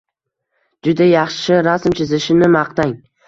juda yaxshi rasm chizishini maqtang.